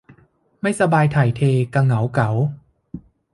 ไม่สบายถ่ายเทกะเหงาเก๋า